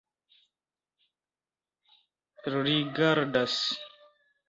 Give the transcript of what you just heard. rigardas